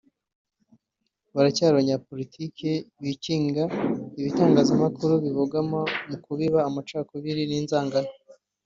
Haracyari abanyapolitiki bikinga ibitangazamakuru bibogama mu kubiba amacakubiri n’inzangano